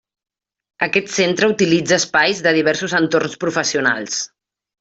Aquest centre utilitza espais de diversos entorns professionals.